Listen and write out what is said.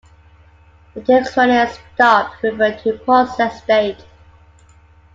The text "Running" and "Stopped" refer to the Process state.